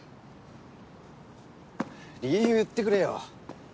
理由言ってくれよ。